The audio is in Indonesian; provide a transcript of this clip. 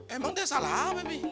emang dia salah apa nih